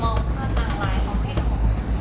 มองตังค์ไลน์เขาไม่รู้